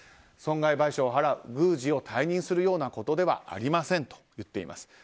損害賠償を払う宮司を退任するようなことではありませんと言っています。